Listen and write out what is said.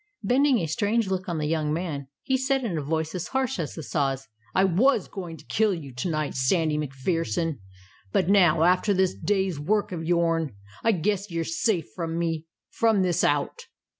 Bending a strange look on the young man, he said, in a voice as harsh as the saw's: "I was going to kill you to night, Sandy MacPherson. But now after this day's work of yourn, I guess yer safe from me from this out."